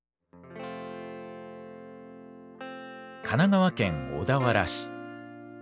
神奈川県小田原市。